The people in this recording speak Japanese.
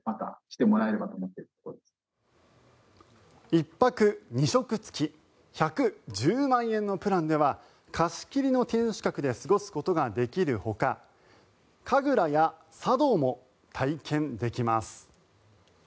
１泊２食付き１１０万円のプランでは貸し切りの天守閣で過ごすことができるほか神楽や茶道も体験できます。